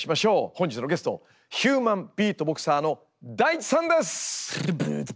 本日のゲストヒューマンビートボクサーのＤａｉｃｈｉさんです！